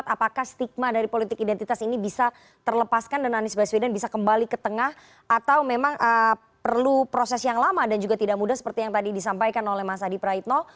apakah stigma dari politik identitas ini bisa terlepaskan dan anies baswedan bisa kembali ke tengah atau memang perlu proses yang lama dan juga tidak mudah seperti yang tadi disampaikan oleh mas adi praitno